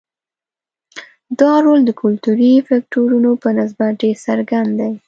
دا رول د کلتوري فکټورونو په نسبت ډېر څرګند دی.